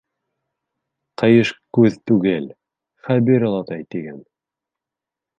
— Ҡыйышкүҙ түгел, Хәбир олатай, тиген.